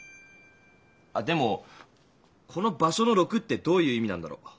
でもこの場所の「６」ってどういう意味なんだろう？